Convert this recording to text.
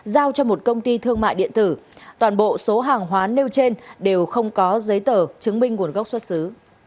giao cho một công ty thương mại điện tử toàn bộ số hàng hóa nêu trên đều không có giấy tờ chứng minh nguồn gốc xuất xứ